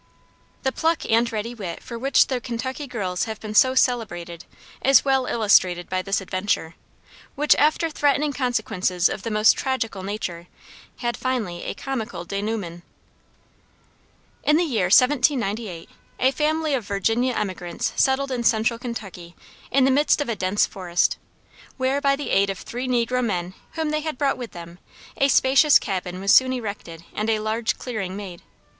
The pluck and ready wit for which the Kentucky girls have been so celebrated is well illustrated by this adventure, which, after threatening consequences of the most tragical nature, had finally a comical denouement. In the year 1798, a family of Virginia emigrants settled in central Kentucky in the midst of a dense forest, where, by the aid of three negro men whom they had brought with them, a spacious cabin was soon erected and a large clearing made.